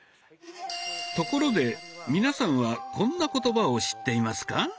ところで皆さんはこんな言葉を知っていますか？